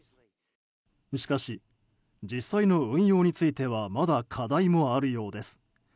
しかし、実際の運用についてはまだ課題もあるようです。